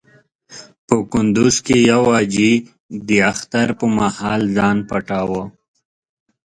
په کندز کې يو حاجي د اختر پر مهال ځان پټاوه.